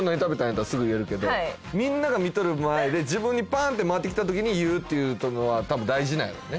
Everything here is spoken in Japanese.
やったらすぐ言えるけどみんなが見とる前で自分にパーンって回ってきた時に言うっていうとるのは多分大事なんやろね